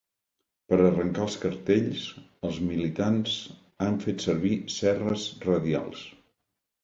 Per arrencar els cartells, els militants han fet servir serres radials.